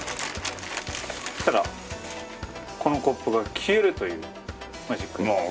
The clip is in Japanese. そしたらこのコップが消えるというマジックです。